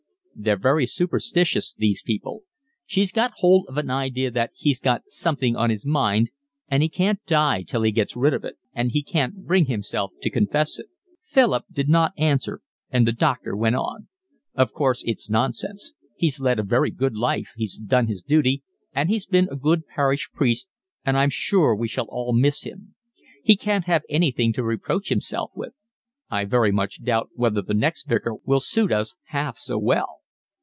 "They're very superstitious, these people: she's got hold of an idea that he's got something on his mind, and he can't die till he gets rid of it; and he can't bring himself to confess it." Philip did not answer, and the doctor went on. "Of course it's nonsense. He's led a very good life, he's done his duty, he's been a good parish priest, and I'm sure we shall all miss him; he can't have anything to reproach himself with. I very much doubt whether the next vicar will suit us half so well."